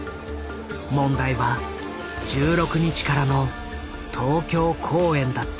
問題は１６日からの東京公演だった。